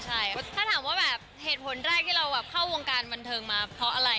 ถ้าถามว่าแบบเหตุผลแรกที่เราเข้าวงการบันเทิงมาเพราะอะไร